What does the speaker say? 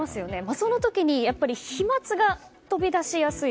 その時に飛沫が飛び出しやすい。